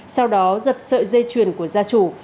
sau đó giật sợi dây chuyển của gia chủ